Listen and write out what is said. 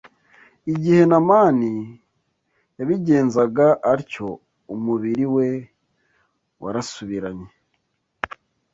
Igihe Namani yabigenzaga atyo umubiri we warasubiranye